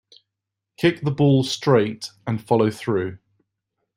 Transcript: Kick the ball straight and follow through.